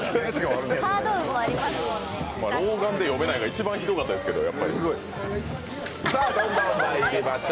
老眼で読めないが一番ひどかったですけど。